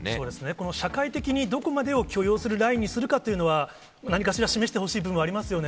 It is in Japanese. この社会的にどこまでを許容するラインにするかというのは、何かしら示してほしい部分はありますよね。